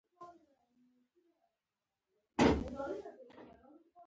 سالارزي او ترک لاڼي هم دلته مېشت دي